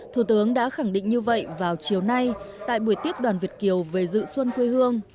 thủ tướng đã khẳng định như vậy vào chiều nay tại buổi tiếp đoàn việt kiều về dự xuân quê hương